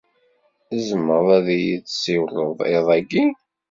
Tzemreḍ ad iyi-d-tsiwleḍ iḍ-agi.